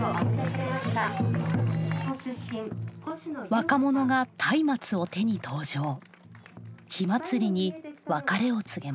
若者がたいまつを手に登場火まつりに別れを告げます。